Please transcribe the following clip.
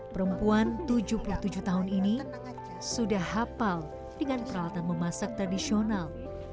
perempuan tujuh puluh tujuh tahun ini sudah hafal dengan peralatan memasak tradisional